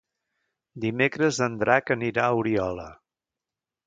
Dimecres en Drac anirà a Oriola.